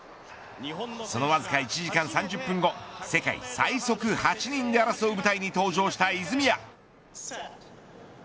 そのわずか１時間３０分後世界最速８人で争う舞台に登場した泉谷。